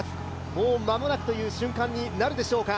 もう間もなくという瞬間になるでしょうか。